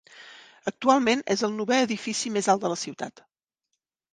Actualment es el novè edifici més alt de la ciutat.